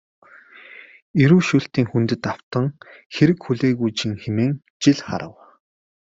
Эрүү шүүлтийн хүндэд автан хэрэг хүлээгүүжин хэмээн жил харав.